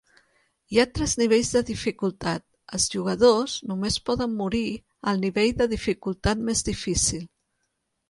Hi ha tres nivells de dificultat; els jugadors només poden "morir" al nivell de dificultat més difícil.